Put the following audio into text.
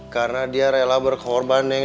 karena dia rela berkorban neng